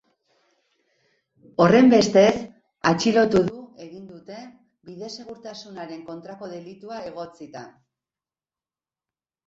Horrenbestez, atxilotu du egin dute, bide segurtasunaren kontrako delitua egotzita.